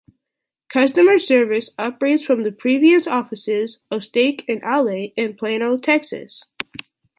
Customer service operates from the previous offices of Steak and Ale in Plano, Texas.